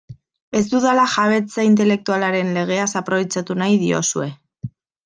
Ez dudala jabetza intelektualaren legeaz aprobetxatu nahi diozue.